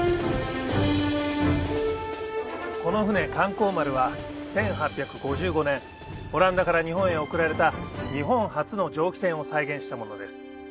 この船観光丸は１８５５年オランダから日本へ贈られた日本初の蒸気船を再現したものです